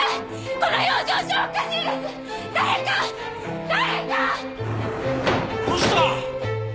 どうした？